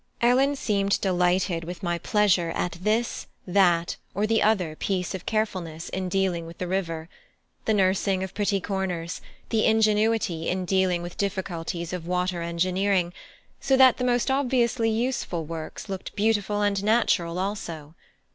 Ellen seemed delighted with my pleasure at this, that, or the other piece of carefulness in dealing with the river: the nursing of pretty corners; the ingenuity in dealing with difficulties of water engineering, so that the most obviously useful works looked beautiful and natural also.